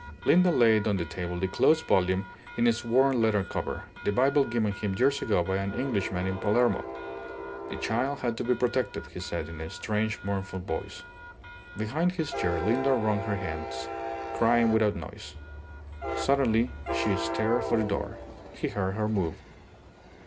Linda laid on the table the closed volume in its worn leather cover, the Bible given him ages ago by an Englishman in Palermo. "The child had to be protected," he said, in a strange, mournful voice. Behind his chair Linda wrung her hands, crying without noise. Suddenly she started for the door. He heard her move.